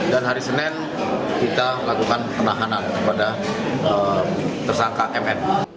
dan hari senin kita lakukan penahanan pada tersangka mn